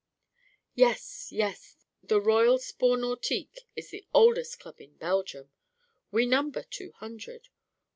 'Yes, yes, the Royal Sport Nautique is the oldest club in Belgium.' 'We number two hundred.